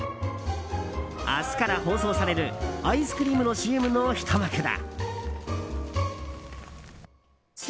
明日から放送されるアイスクリームのＣＭのひと幕だ。